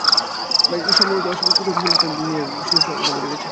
ব্রাজিলে সম্প্রতি অস্বাভাবিক ছোট আকৃতির মাথা নিয়ে জন্ম নেওয়া শিশুর সংখ্যা বেড়ে গেছে।